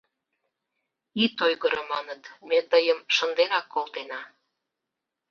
— Ит ойгыро, — маныт, — ме тыйым шынденак колтена.